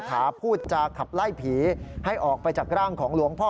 ถาพูดจาขับไล่ผีให้ออกไปจากร่างของหลวงพ่อ